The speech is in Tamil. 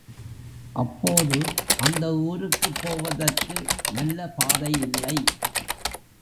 அப்போது அந்த ஊருக்குப் போவதற்கு நல்ல பாதையில்லை.